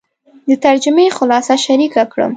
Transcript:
د ترجمې خلاصه شریکه کړم.